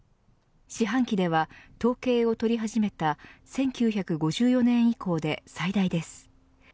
四半期では、統計を取り始めた１９５４年以降で最大です。